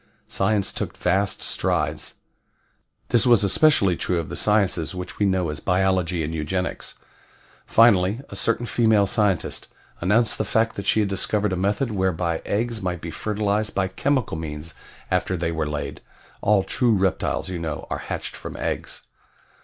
Science took vast strides. This was especially true of the sciences which we know as biology and eugenics. Finally a certain female scientist announced the fact that she had discovered a method whereby eggs might be fertilized by chemical means after they were laid all true reptiles, you know, are hatched from eggs.